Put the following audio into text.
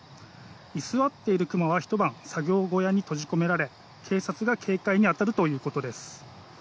居座っているクマはひと晩、作業小屋に閉じ込められ警察が警戒に当たるということです。